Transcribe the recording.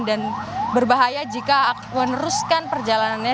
dan berbahaya jika meneruskan perjalanannya